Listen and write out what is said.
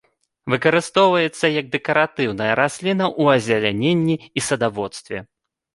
Выкарыстоўваецца як дэкаратыўная расліна ў азеляненні і садаводстве.